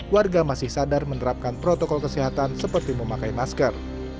warga masih sadar menerapkan protokol kesehatan seperti memakai masker